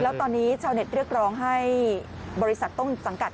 แล้วตอนนี้ชาวเน็ตเรียกร้องให้บริษัทต้นสังกัด